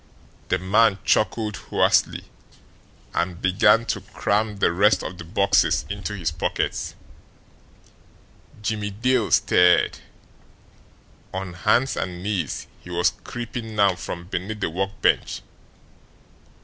The man chuckled hoarsely, and began to cram the rest of the boxes into his pockets. Jimmie Dale stirred. On hands and knees he was creeping now from beneath the workbench.